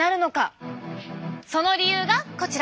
その理由がこちら！